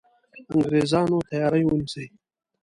انګرېزانو تیاری ونیسي.